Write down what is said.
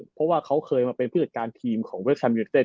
เพราะว่าเขาเคยมาเป็นผู้จัดการทีมของเวิร์ดแชมป์ยูเนตเตส